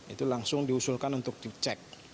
itu langsung diusulkan untuk dicek